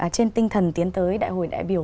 trên tinh thần tiến tới đại hội đại biểu